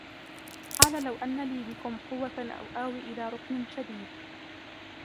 قَالَ لَوْ أَنَّ لِي بِكُمْ قُوَّةً أَوْ آوِي إِلَى رُكْنٍ شَدِيدٍ